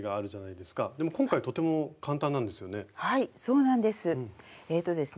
でも今回とても簡単なんですよね？